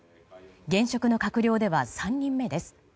現職の閣僚では３人目です。